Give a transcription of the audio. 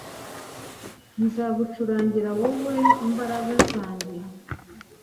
Nzagucurangira wowe mbaraga zanjye